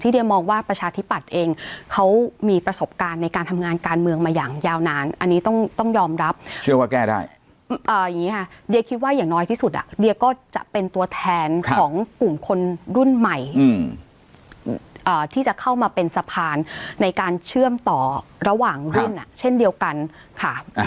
ดียคิดว่าอย่างน้อยที่สุดอ่ะก็จะเป็นตัวแทนของกลุ่มคนรุ่นใหม่ที่จะเข้ามาเป็นสะพานในการเชื่อมต่อระหว่างรุ่นเช่นเดียวกันค่ะ